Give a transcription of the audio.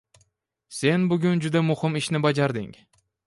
Sen bugun juda muhim ishni bajarding